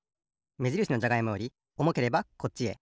めじるしのじゃがいもよりおもければこっちへ。